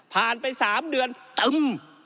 ผ่านไปสามเดือนตึ้ม